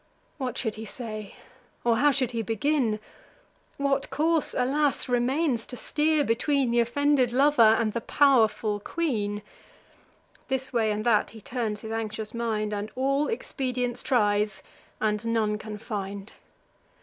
What should he say? or how should he begin? What course, alas! remains to steer between Th' offended lover and the pow'rful queen? This way and that he turns his anxious mind, And all expedients tries, and none can find.